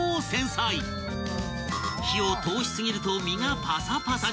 ［火を通し過ぎると身がパサパサに］